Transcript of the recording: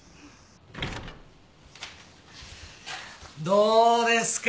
どうですか？